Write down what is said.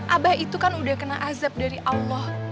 abah itu kan udah kena azab dari allah